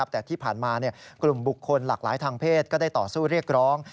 แต่ที่ผ่านมากลุ่มบุคคลหลากหลายทางเพศก็ได้ต่อสู้เรียกร้อง